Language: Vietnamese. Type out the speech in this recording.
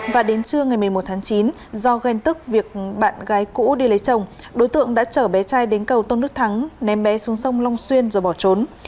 và đến trưa ngày một mươi một tháng chín do ghen tức việc bạn gái cũ đi lấy chồng đối tượng đã chở bé trai đến cầu tôn đức thắng ném bé xuống sông long xuyên rồi bỏ trốn